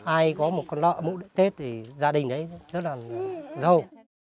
ai có một con lợn mỗi tết thì gia đình đấy rất là râu